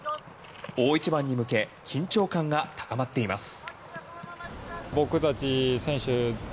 大一番に向け緊張感が高まっています。